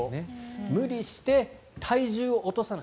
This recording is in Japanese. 無理して体重を落とさない。